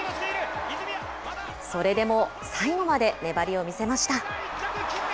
それでも最後まで粘りを見せました。